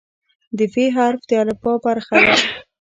د "ف" حرف د الفبا برخه ده.